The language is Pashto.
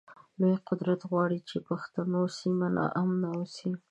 لوی قدرتونه غواړی چی د پښتنو سیمه ناامنه اوسی